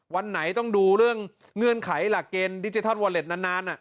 วันไหนต้องดูเรื่องเงื่อนไขหลักเกณฑ์ดิจิทัลวอเล็ตนาน